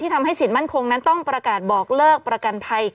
ทำให้สินมั่นคงนั้นต้องประกาศบอกเลิกประกันภัย